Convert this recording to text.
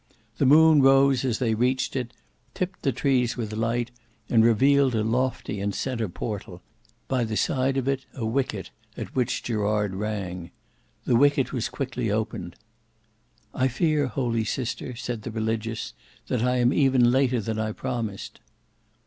The moon rose as they reached it, tipped the trees with light, and revealed a lofty and centre portal, by the side of it a wicket at which Gerard rang. The wicket was quickly opened. "I fear, holy sister," said the Religious, "that I am even later than I promised."